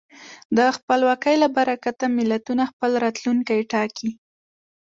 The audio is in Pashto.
د خپلواکۍ له برکته ملتونه خپل راتلونکی ټاکي.